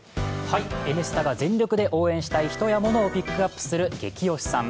「Ｎスタ」が全力で応援したい人や物をピックアップする「ゲキ推しさん」。